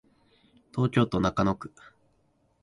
東京都中野区